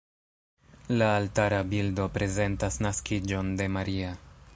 La altara bildo prezentas naskiĝon de Maria.